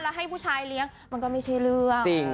แล้วให้ผู้ชายเลี้ยงมันก็ไม่ใช่เรื่อง